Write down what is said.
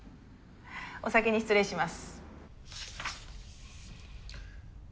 お先に失礼します。